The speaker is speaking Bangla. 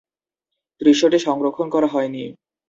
দৃশ্যটি সংরক্ষণ করা হয়নি।